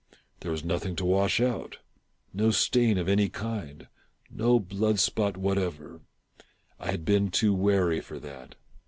There was nothing to wash out — no stain of any kind — no blood spot whatever. I had been too wary for that.